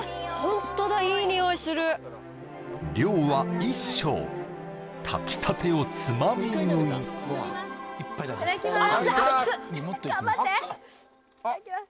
いい匂ーい量は一升炊き立てをつまみ食いいただきます